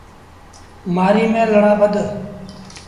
مهآريٚ ميݩ لڙآ ٻڌ۔